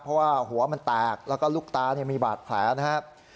เพราะว่าหัวมันแตกแล้วก็ลูกตามีบาดแผลนะครับ